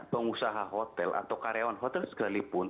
pengusaha hotel atau karyawan hotel sekalipun